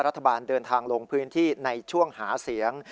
รัฐบาลเดินทางลงพื้นที่ในช่วงหาเสียง